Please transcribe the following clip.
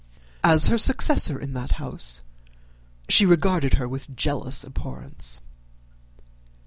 As her successor in that house, she regarded her with jealous abhorrence.